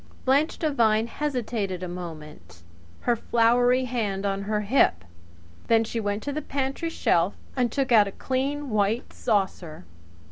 Blanche Devine hesitated a moment, her floury hand on her hip. Then she went to the pantry shelf and took out a clean white saucer.